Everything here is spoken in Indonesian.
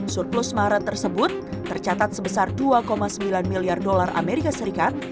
surplus maret tersebut tercatat sebesar dua sembilan miliar usd